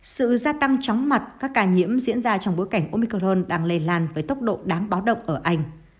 sự gia tăng chóng mặt các ca nhiễm diễn ra trong bối cảnh omicron đang lây lan với tốc độ đáng báo động ở anh